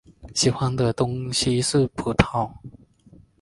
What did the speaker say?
喜欢的东西是葡萄。